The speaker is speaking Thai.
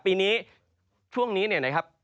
ปีนี้ช่วงนี้เนี่ยนะครับ